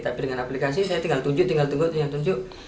tapi dengan aplikasi saya tinggal tunjuk tinggal tunggu tinggal tunjuk